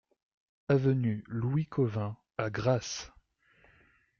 Avenue Louis Cauvin à Grasse